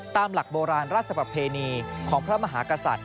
ตามหลักโบราณราชประเพณีของพระมหากษัตริย